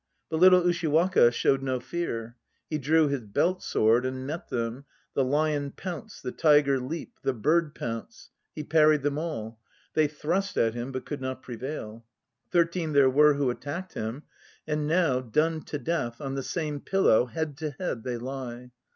But little Ushiwaka showed no fear. He drew his belt sword and met them. The Lion Pounce, The Tiger Leap, The Bird Pounce ... x He parried them all. They thrust at him but could not prevail. Thirteen there were who attacked him; And now, done to death, on the same pillow head to head they lie.